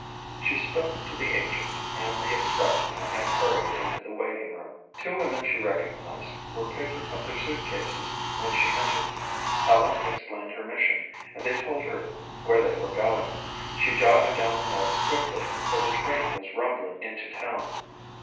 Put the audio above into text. She spoke to the agent and the express man and hurried into the waiting room. Two women she recognized were picking up their suit cases when she entered. Helen explained her mission and they told her where they were going. She jotted down the notes quickly for the train was rumbling into town.